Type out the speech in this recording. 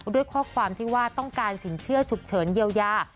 ด้วยข้อความที่ว่าต้องการสินเชื่อฉุกเฉินเยียวยา